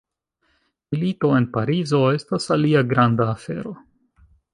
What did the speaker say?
Milito en Parizo estas alia granda afero.